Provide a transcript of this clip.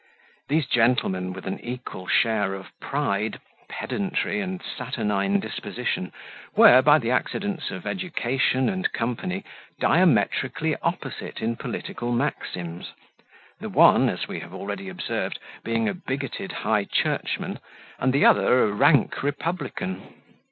These gentlemen, with an equal share of pride, pedantry, and saturnine disposition, were, by the accidents of education and company, diametrically opposite in political maxims; the one, as we have already observed, being a bigoted high churchman, and the other a rank republican.